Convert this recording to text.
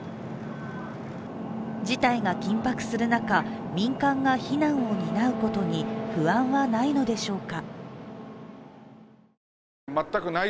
事態が緊迫する中、民間が避難を担うことに不安はないのでしょうか。